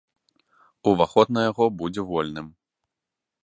Уваход на яго будзе вольным.